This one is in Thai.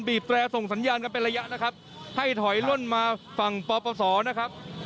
แตรส่งสัญญาณกันเป็นระยะนะครับให้ถอยล่นมาฝั่งปปศนะครับ